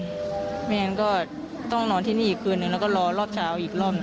ไม่งั้นก็ต้องนอนที่นี่อีกคืนนึงแล้วก็รอรอบเช้าอีกรอบหนึ่ง